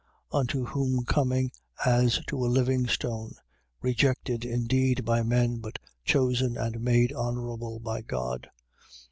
2:4. Unto whom coming, as to a living stone, rejected indeed by men but chosen and made honourable by God: 2:5.